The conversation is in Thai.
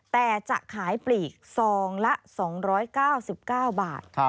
แต่จะขายปลีกซองละ๒๙๙บาท